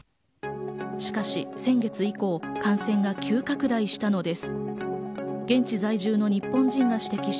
しかし先月以降、感染が急拡大したのです。